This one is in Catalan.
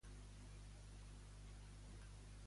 Què ha aconseguit la falla de l'Antiga de Campanar?